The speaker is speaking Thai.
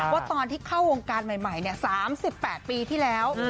ว่าตอนที่เข้าวงการใหม่๓๘ปีที่แล้ว